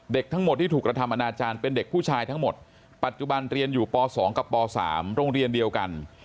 ทั้งหมดที่ถูกกระทำอนาจารย์เป็นเด็กผู้ชายทั้งหมดปัจจุบันเรียนอยู่ป๒กับป๓โรงเรียนเดียวกัน